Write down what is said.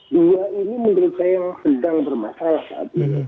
dua ini menurut saya yang sedang bermasalah saat ini